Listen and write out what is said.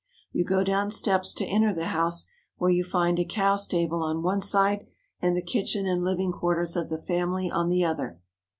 You go down steps to enter the house, where you find a cow stable on one side and the kitchen and living quarters of the family on the other.